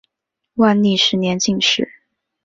万历十年进士。